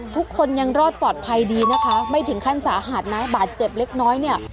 ทุกคนยังรอดปลอดภัยดีนะคะไม่ถึงขั้นสาหัสนะบาดเจ็บเล็กน้อยเนี่ย